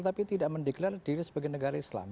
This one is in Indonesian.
tapi tidak mendeklarasi diri sebagai negara islam